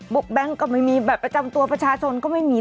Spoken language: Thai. แบงค์ก็ไม่มีบัตรประจำตัวประชาชนก็ไม่มี